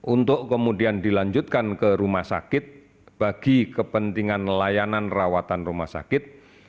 untuk kemudian dilanjutkan ke rumah sakit bagi kepentingan layanan rawatan rumah sakit